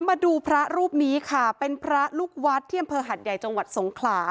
มาดูพระรูปนี้ค่ะเป็นพระลูกวัดที่อำเภอหัดใหญ่จังหวัดสงขลา